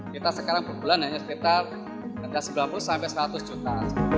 kita sekarang perbulan sekitar sembilan puluh seratus juta